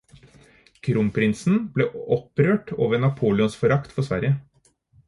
Kronprinsen ble opprørt over Napoleons forakt for Sverige.